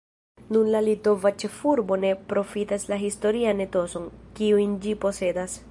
Nun la litova ĉefurbo ne profitas la historian etoson, kiun ĝi posedas.